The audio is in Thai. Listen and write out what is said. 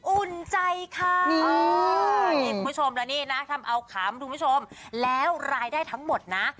อุ่นใจค่ะนี่คุณผู้ชมแล้วนี่นะทำเอาขำคุณผู้ชมแล้วรายได้ทั้งหมดนะ